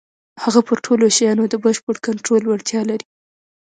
هغه پر ټولو شيانو د بشپړ کنټرول وړتيا لري.